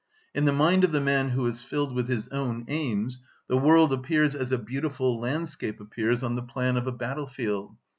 In the mind of the man who is filled with his own aims the world appears as a beautiful landscape appears on the plan of a battlefield.